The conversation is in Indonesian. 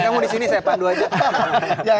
kamu disini saya pandu aja